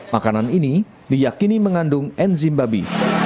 makanan ini diyakini mengandung enzim babi